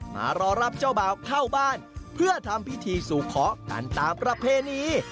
มารอรับเจ้าบ่าวเข้าบ้านเพื่อทำพิธีสู่ขอกันตามประเพณี